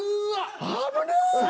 危ない。